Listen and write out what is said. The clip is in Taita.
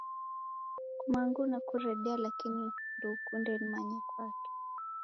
Kumangu nakuredea lakini ndeukunde nimanye kwake